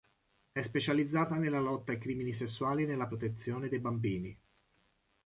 È specializzata nella lotta ai crimini sessuali e nella protezione dei bambini.